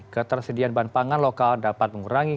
ketersediaan bahan pangan lokal dapat mengurangi